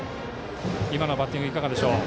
今のバッティングはいかがでしょう。